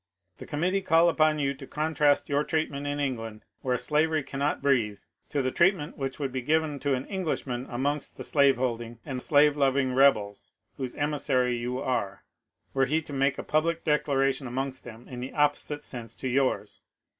The THE MASON INCIDENT 419 committee call upon you to contrast your treatment in Eng land, where slaveir cannot breathe, to the treatment which would be given to an Englishman amongst the slaveholding and slaye loving rebels whose emissary you are, were he to make a public declaration amongst them in the opposite sense to yours.